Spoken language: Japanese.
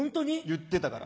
言ってたから。